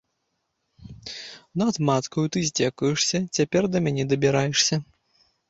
Над маткаю ты здзекуешся, цяпер да мяне дабіраешся!